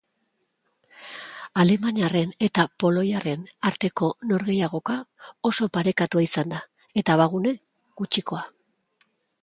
Alemaniarren eta poloiarren arteko norgehiagoka oso parekatua izan da, eta abagune gutxikoa.